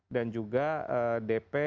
dan juga dp